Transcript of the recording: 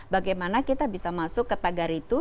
bagaimana kita bisa masuk ke tagar itu